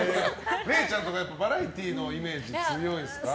れいちゃん、バラエティーのイメージ強いですか。